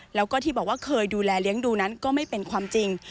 แล้วก็ที่บอกว่าเคยดูแลเลี้ยงดูนั้นก็ไม่เป็นความจริง